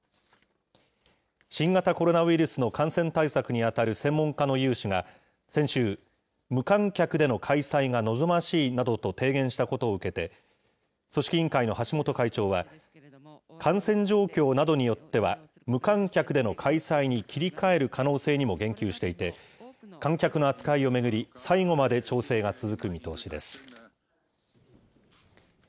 新型コロナウイルスの感染対策に当たる専門家の有志が先週、無観客での開催が望ましいなどと提言したことを受けて、組織委員会の橋本会長は、感染状況などによっては、無観客での開催に切り替える可能性にも言及していて、観客の扱いを巡り、最後まで調整が続く見通しです。